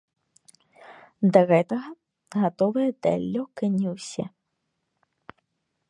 Да гэтага гатовыя далёка не ўсе.